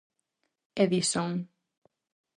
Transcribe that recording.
Edison.